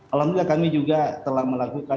alhamdulillah kami juga telah melakukan